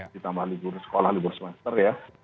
ditambah libur sekolah libur semester ya